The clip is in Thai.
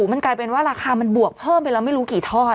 มันกลายเป็นว่าราคามันบวกเพิ่มไปแล้วไม่รู้กี่ทอด